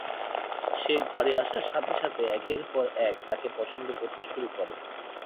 সে ঘরে আসার সাথে সাথে একের পর এক তাকে পছন্দ করতে শুরু করে।